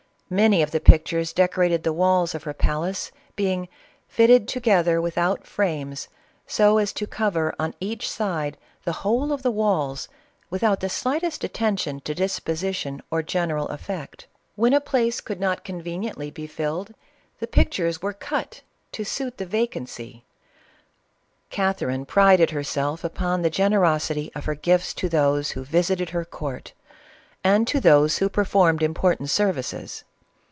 Many of the pictures decorated the walls of her palaces, being "fitted together without frames, so as to cover on each side the whole of the walls, without the smallest attention to disposition or general effect." When a place could not convenient ly be filled, the pictures were cut to suit the vacancy ! Catherine prided herself upon the generosity of her gifts to those who visited her court, and to those who ined important services.